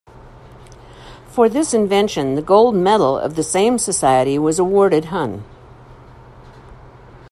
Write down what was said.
For this invention the gold medal of the same society was awarded hun.